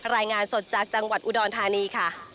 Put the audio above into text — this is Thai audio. รายงานสดจากจังหวัดอุดรธานีค่ะ